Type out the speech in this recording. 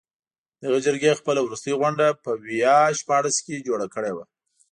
دغې جرګې خپله وروستۍ غونډه په ویا شپاړس کې جوړه کړې وه.